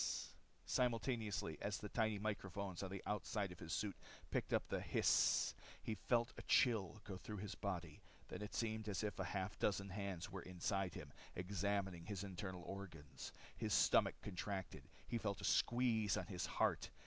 Simultaneously, as the tiny microphone on the outside of his suit picked up the hiss, he felt a chill go through his body. Then it seemed as if a half dozen hands were inside him, examining his internal organs. His stomach contracted. He felt a squeeze on his heart.